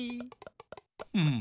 うん。